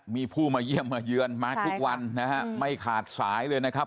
มีผู้มาเยี่ยมมาเยือนมาทุกวันนะฮะไม่ขาดสายเลยนะครับ